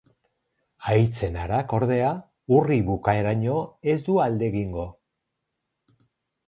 Haitz-enarak, ordea, urri bukaeraraino ez du alde egingo.